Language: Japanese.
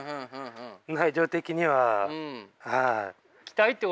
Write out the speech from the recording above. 内情的にははい。